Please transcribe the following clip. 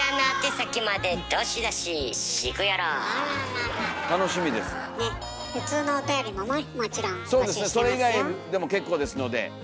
そうですねそれ以外でも結構ですので。